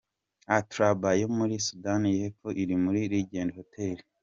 Atlabara yo muri Sudani y’Epfo iri muri Legend Hotel.